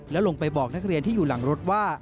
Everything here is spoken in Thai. แล้วลงไปบอกนักเรียนที่อยู่หลังรถว่า